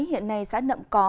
hiện nay xã nậm có